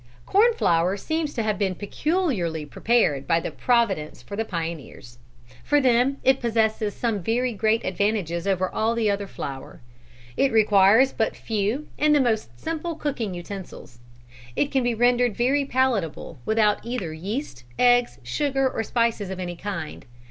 Corn flour seems to have been peculiarly prepared by Providence for the pioneers. For them it possesses some very great advantages over all other flour. It requires but few and the most simple cooking utensils. It can be rendered very palatable without either yeast, eggs, sugar or spices of any kind.